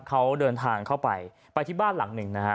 เขาเดินทางเข้าไปไปที่บ้านหลังหนึ่งนะฮะ